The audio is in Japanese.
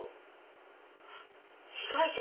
「被害者」！？